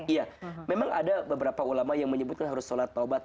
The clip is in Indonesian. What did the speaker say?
iya memang ada beberapa ulama yang menyebutkan harus sholat taubat